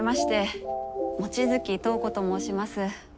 望月透子と申します。